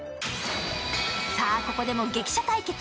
さあ、ここでも激写対決。